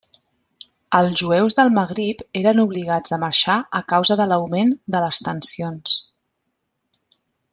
Els jueus del Magrib eren obligats a marxar a causa de l'augment de les tensions.